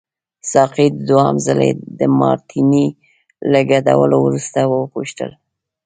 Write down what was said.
ساقي د دوهم ځلي د مارټیني له ګډولو وروسته وپوښتل.